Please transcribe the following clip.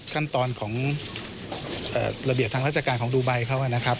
ขั้นตอนของระเบียบทางราชการของดูไบเขานะครับ